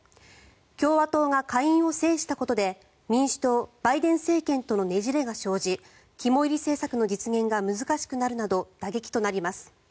共和党が下院を制したことで民主党、バイデン政権とのねじれが生じ肝煎り政策の実現が難しくなるなど打撃となります。